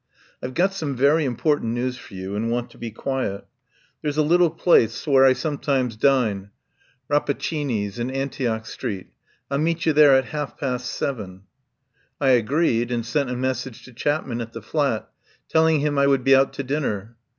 "I've got some very important news for you, and want to be quiet. There's a little place where I sometimes dine — Rapaccini's, in An tioch Street. I'll meet you there at half past seven." I agreed, and sent a message to Chapman at the flat, telling him I would be out to din ner.